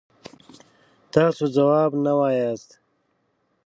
تاسو ځواب نه وایاست.